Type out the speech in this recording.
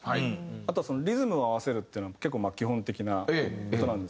あとはリズムを合わせるっていうのは結構基本的な事なんですけど。